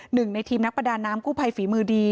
หนึ่งในทีมนักประดาน้ำกู้ภัยฝีมือดี